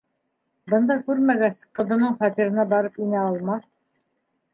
Бында күрмәгәс, ҡыҙының фатирына барып инә алмаҫ.